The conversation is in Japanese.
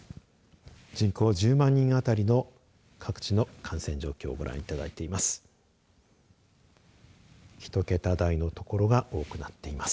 人口１０万人あたりの各地の感染状況をご覧いただいています。